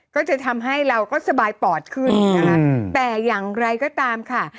ก็จะทำให้เราก็สบายปอดขึ้นนะคะแต่อย่างไรก็ตามค่ะ